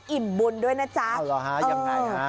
อิ่มบุญด้วยนะจ๊ะอ๋อเหรอฮะยังไงฮะ